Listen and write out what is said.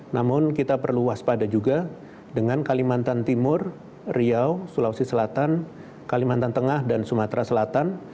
namun kita perlu waspada juga dengan kalimantan timur riau sulawesi selatan kalimantan tengah dan sumatera selatan